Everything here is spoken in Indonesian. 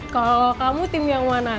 kalau kamu tim yang mana